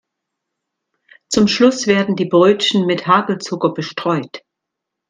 Zum Schluss werden die Brötchen mit Hagelzucker bestreut.